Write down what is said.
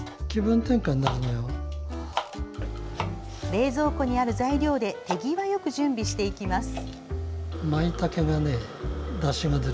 冷蔵庫にある材料で手際よく準備していきます。